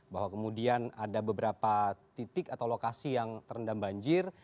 bahwa kemudian ada beberapa titik atau lokasi yang terendam banjir